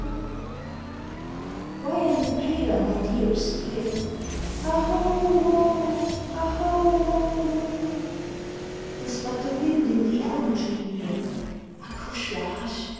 Why are you paler my dearest dear? "O hoho, O hoho o o!" 'Tis but the wind in the elm tree near (Acushla, hush!